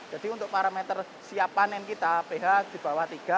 jadi untuk parameter siap panen kita ph di bawah tiga